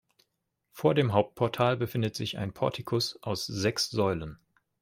Vor dem Hauptportal befindet sich ein Portikus aus sechs Säulen.